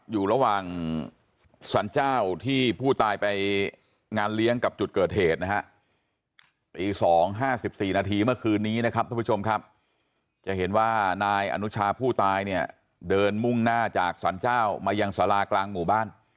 อยู่ระหว่างสรรเจ้าที่ผู้ตายไปงานเลี้ยงกับจุดเกิดเหตุนะครับ